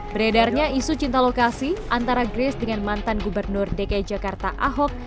beredarnya isu cinta lokasi antara grace dengan mantan gubernur dki jakarta ahok